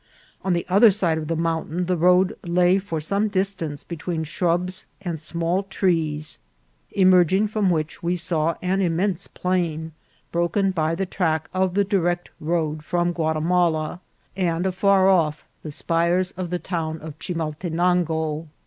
On the other side of the mountain the road lay for some distance between shrubs and small trees, emerging from which we saw an immense plain, A BEAUTIFUL COUNTRY. 14Q broken by the track of the direct road from Guatimala, and afar off the spires of the town of Chimaltenango.